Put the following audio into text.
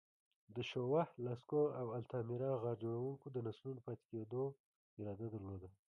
د شووه، لاسکو او التامیرا غار جوړونکو د نسلونو پاتې کېدو اراده درلوده.